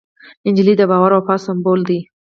نجلۍ د باور او وفا سمبول ده.